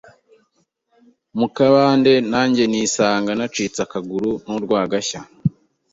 mu kabande nanjye nisanga nacitse akaguru n’urwagashya.